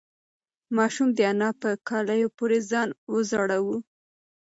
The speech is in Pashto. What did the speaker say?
ماشوم د انا په کالیو پورې ځان وځړاوه.